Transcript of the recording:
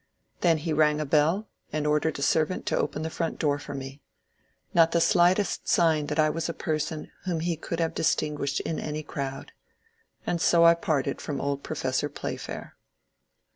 Then he rang a bell, and ordered a servant to open the front door for me. Not the slightest sign that I was a person whom he could have dis tinguished in any crowd. And so I parted from old Professor Playfair.